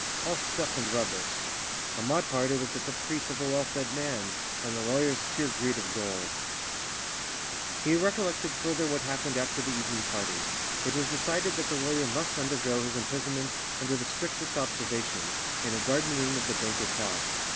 all stuff and rubbish. On my part, it was the caprice of a well fed man; on the lawyer's pure greed of gold." He recollected further what happened after the evening party. It was decided that the lawyer must undergo his imprisonment under the strictest observation, in a garden wing of the banker's house.